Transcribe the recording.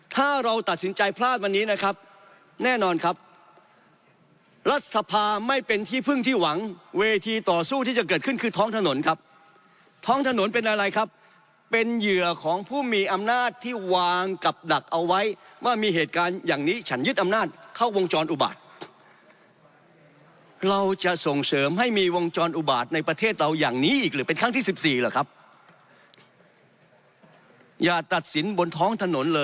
ถ้าเราตัดสินใจพลาดวันนี้นะครับแน่นอนครับรัฐสภาไม่เป็นที่พึ่งที่หวังเวทีต่อสู้ที่จะเกิดขึ้นคือท้องถนนครับท้องถนนเป็นอะไรครับเป็นเหยื่อของผู้มีอำนาจที่วางกับดักเอาไว้ว่ามีเหตุการณ์อย่างนี้ฉันยึดอำนาจเข้าวงจรอุบาตเราจะส่งเสริมให้มีวงจรอุบาตในประเทศเราอย่างนี้อีกหรือเป็นครั้งที่สิบสี่เหรอครับอย่าตัดสินบนท้องถนนเลย